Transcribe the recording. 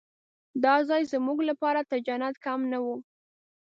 دا ځای زموږ لپاره تر جنت کم نه و.